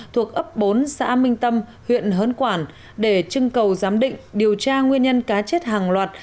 thuộc ấp bốn xã minh tâm huyện hớn quản để trưng cầu giám định điều tra nguyên nhân cá chết hàng loạt